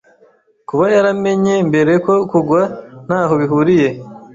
kuba yaramenye mbere yo kugwa ntaho bihuriye